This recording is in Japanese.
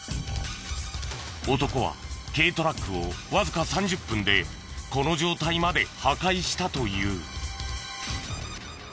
男は軽トラックをわずか３０分でこの状態まで破壊したという。